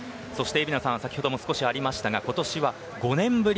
先ほども少しありましたが今年は５年ぶり。